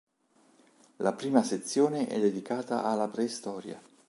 La prima sezione è dedicata alla preistoria.